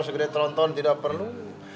segera teronton tidak perlu